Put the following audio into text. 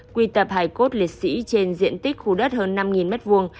quy tập hải cốt liệt sĩ trên diện tích khu đất hơn năm